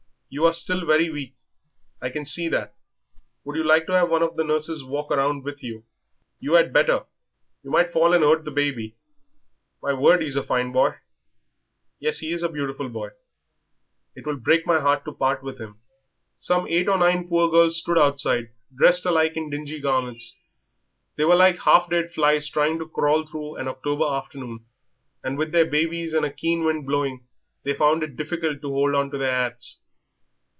You are still very weak, I can see that. Would you like to have one of the nurses to walk round with you? You had better you might fall and hurt the baby. My word, he is a fine boy." "Yes, he is a beautiful boy; it will break my heart to part with him." Some eight or nine poor girls stood outside, dressed alike in dingy garments. They were like half dead flies trying to crawl through an October afternoon; and with their babies and a keen wind blowing, they found it difficult to hold on their hats.